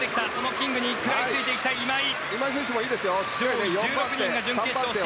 キングに食らいついていきたい今井。